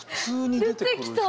出てきた！